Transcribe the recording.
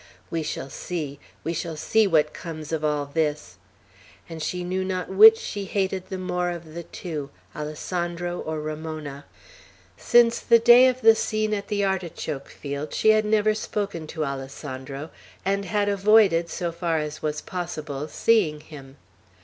We shall see; we shall see what comes of all this!" And she knew not which she hated the more of the two, Alessandro or Ramona. Since the day of the scene at the artichoke field she had never spoken to Alessandro, and had avoided, so far as was possible, seeing him.